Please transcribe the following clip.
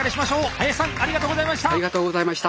林さんありがとうございました！